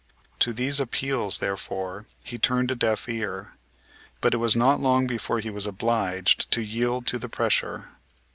To these appeals, therefore, he turned a deaf ear. But it was not long before he was obliged to yield to the pressure.